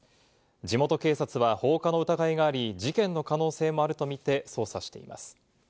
地元警察は放火の疑いがあり、事件の可能性もあるとみて捜査しています。